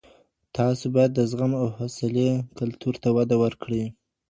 تاسو بايد د زغم او حوصلې کلتور ته وده ورکړئ.